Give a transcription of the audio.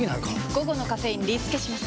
午後のカフェインリスケします！